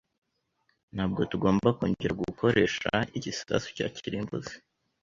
Ntabwo tugomba kongera gukoresha igisasu cya kirimbuzi.